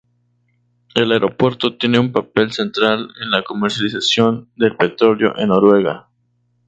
El aeropuerto tiene un papel central en la comercialización del petróleo en Noruega.